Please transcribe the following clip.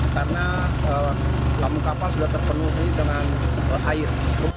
karena lambung kapal sudah terpenuhi dengan air